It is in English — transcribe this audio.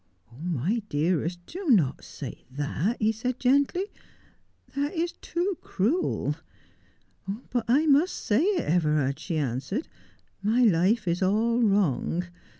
"Oh, my dearest, do not say that," he said gently. ''That is too cruel." " But I must say it, Everard," she answered. " My life is all wrong.